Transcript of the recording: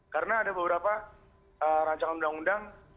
karena ada beberapa rancangan undang undang